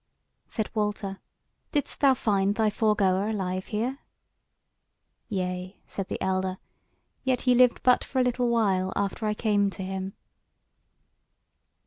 Said Walter: "Didst thou find thy foregoer alive here?" "Yea," said the elder, "yet he lived but for a little while after I came to him."